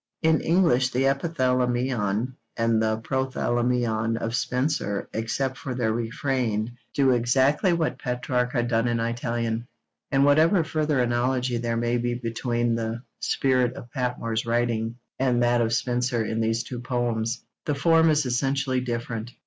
In English the Epithalamion and the Prothalamion of Spenser (except for their refrain) do exactly what Petrarch had done in Italian; and whatever further analogy there may be between the spirit of Patmore's writing and that of Spenser in these two poems, the form is essentially different.